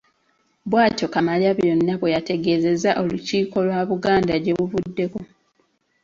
Bw’atyo Kamalabyonna bwe yategeeza Olukiiko lwa Buganda gye buvuddeko.